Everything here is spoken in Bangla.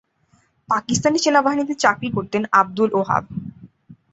পাকিস্তানি সেনাবাহিনীতে চাকরি করতেন আবদুল ওহাব।